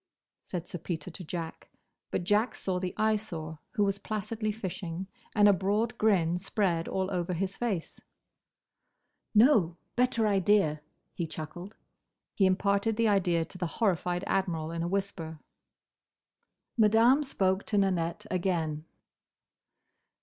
said Sir Peter to Jack. But Jack saw the Eyesore, who was placidly fishing, and a broad grin spread all over his face. "No! Better idea!" he chuckled. He imparted the idea to the horrified Admiral in a whisper. Madame spoke to Nanette again.